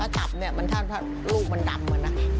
ถ้าจับถ้ารูปมันดำ